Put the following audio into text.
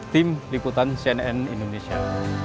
tim liputan cnn indonesia